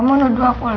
kamu nuduh aku lagi